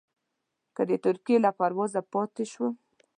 که د ترکیې له پروازه پاتې شوم.